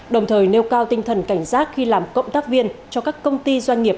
đồng thời nêu cao tinh thần cảnh giác khi làm cộng tác viên cho các công ty doanh nghiệp